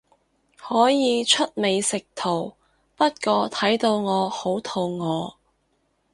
可以出美食圖，不過睇到我好肚餓